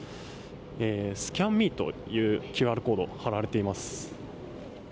ＳＣＡＮＭＥというＱＲコードが貼られています。